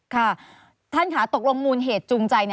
ค่ะท่านค่ะตกลงมูลเหตุจูงใจ